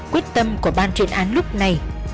quyết tâm của ban truyền án lúc này